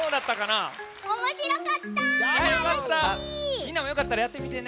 みんなもよかったらやってみてね。